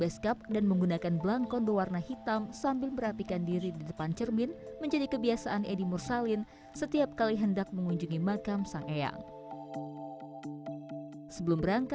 selamat datang di demak